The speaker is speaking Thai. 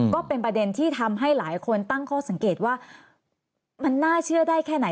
ก็เป็นประเด็นที่ทำให้หลายคนตั้งข้อสังเกตว่ามันน่าเชื่อได้แค่ไหน